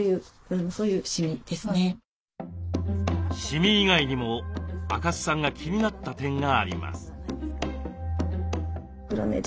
シミ以外にも赤須さんが気になった点があります。